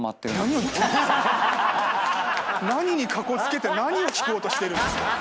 何にかこつけて何を聞こうとしてるんですか